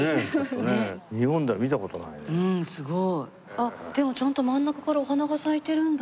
あっでもちゃんと真ん中からお花が咲いてるんだ。